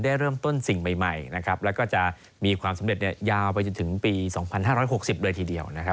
ได้เริ่มต้นสิ่งใหม่แล้วก็จะมีความสำเร็จยาวไปจนถึงปี๒๕๖๐เลยทีเดียวนะครับ